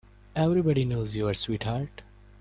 Everybody knows you're a sweetheart.